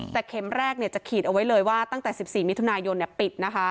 แต่เข็มแรกเนี่ยจะขีดเอาไว้เลยว่าตั้งแต่สิบสี่มิถุนายนเนี่ยปิดนะคะ